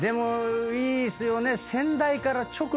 いいっすよね。